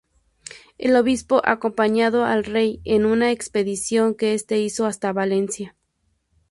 El obispo acompañó al rey en una expedición que este hizo hasta Valencia.